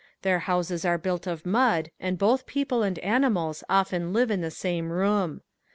Their houses are built of mud and both people and animals often live in the same room.